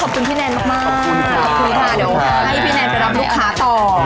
วันนี้ขอบคุณสาม